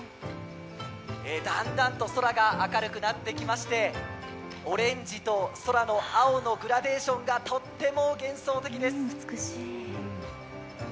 だんだんと空が明るくなってきましてオレンジと空の青のグラデーションがとっても幻想的です。